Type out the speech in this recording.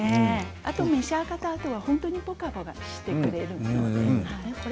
召し上がったあと本当にポカポカしてくれるので。